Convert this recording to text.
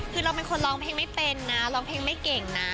คือเราเป็นคนร้องเพลงไม่เป็นนะร้องเพลงไม่เก่งนะ